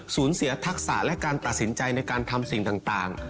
สูญเสียทักษะและการตัดสินใจในการทำสิ่งต่าง